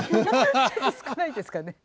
ちょっと少ないですかね。